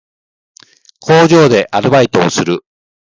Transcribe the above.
工場でアルバイトをする